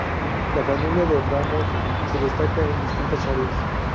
La familia de Ramos se destaca en distintas áreas.